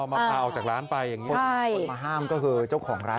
มาพาออกจากร้านไปอย่างนี้คนมาห้ามก็คือเจ้าของร้าน